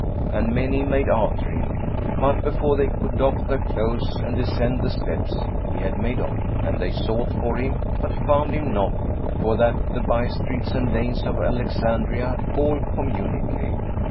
and many made after him; but before they could doff their clothes and descend the steps, he had made off; and they sought for him, but found him not; for that the by streets and lanes of Alexandria all communicate.